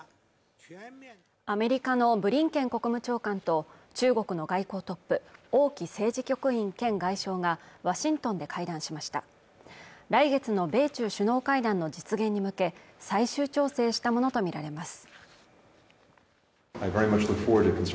アメリカのブリンケン国務長官と中国の外交トップ王毅政治局委員兼外相がワシントンで会談しました来月の米中首脳会談の実現に向け最終調整したものと見られます